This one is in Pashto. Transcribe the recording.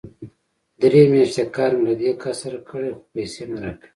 درې مياشتې کار مې له دې کس سره کړی، خو پيسې نه راکوي!